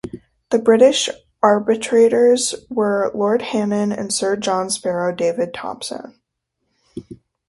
The British arbitrators were Lord Hannen and Sir John Sparrow David Thompson.